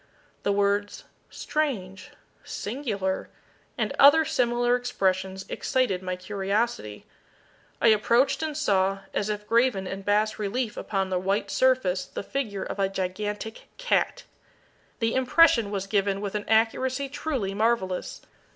The words "Strange!" "Singular!" and other similar expressions, excited my curiosity. I approached and saw, as if graven in bas relief upon the white surface the figure of a gigantic cat. The impression was given with an accuracy truly marvellous.